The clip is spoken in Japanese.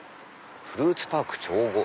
「フルーツパーク長後」。